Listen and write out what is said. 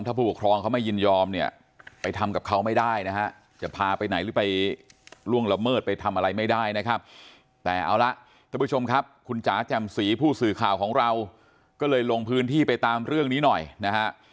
แต่เอาละท่านผู้ชมครับคุณจ๋าจำศรีผู้สื่อข่าวของเราก็เลยลงพื้นที่ไปตามเรื่องนี้หน่อยนะฮะ